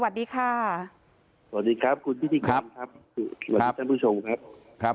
สวัสดีครับคุณพิธีกรวัฒนธรรมชมครับ